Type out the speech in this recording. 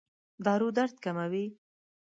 دارو درد کموي؟